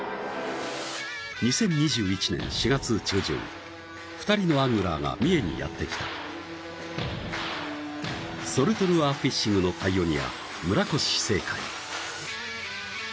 ２０２１年４月中旬２人のアングラーが三重にやって来たソルトルアーフィッシングのパイオニア村越正海